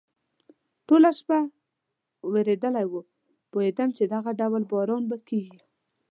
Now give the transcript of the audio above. ټوله شپه ورېدلی و، پوهېدم چې دغه ډول باران به کېږي.